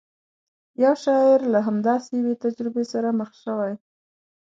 یو شاعر له همداسې یوې تجربې سره مخ شوی.